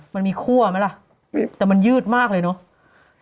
มันมีคั่วไหมล่ะแต่มันยืดมากเลยเนอะ